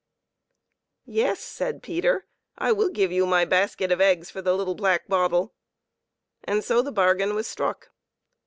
" Yes," said Peter, " I will give you my basket of eggs for the little black bottle." And so the bargain was struck.